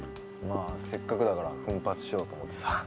まあせっかくだから奮発しようと思ってさ。